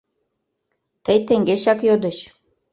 — Тый теҥгечак йодыч.